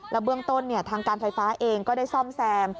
เบื้องต้นทางการไฟฟ้าเองก็ได้ซ่อมแซม